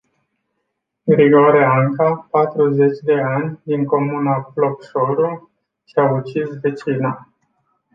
Grigore Anca patruzeci de ani din comuna Plopșoru, și-a ucis vecina.